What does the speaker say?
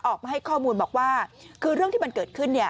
ออกมาให้ข้อมูลบอกว่าคือเรื่องที่มันเกิดขึ้นเนี่ย